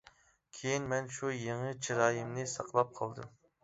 كېيىن مەن شۇ يېڭى چىرايىمنى ساقلاپ قالدىم.